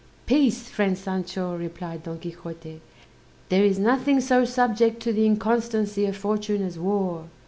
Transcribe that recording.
"Peace, friend Sancho," replied Don Quixote: "there is nothing so subject to the inconstancy of fortune as war.